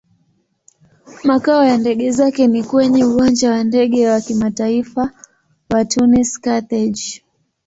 Makao ya ndege zake ni kwenye Uwanja wa Ndege wa Kimataifa wa Tunis-Carthage.